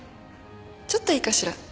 ちょっといいかしら。